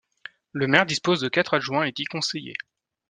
Le maire dispose de quatre adjoints et dix conseillers.